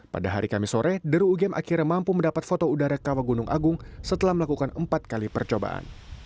pada hari kamis sore deru ugm akhirnya mampu mendapat foto udara kawah gunung agung setelah melakukan empat kali percobaan